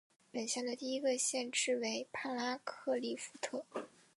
本县的第一个县治为帕拉克利夫特。